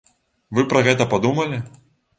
Вы пра гэта падумалі?